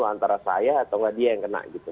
antara saya atau nggak dia yang kena gitu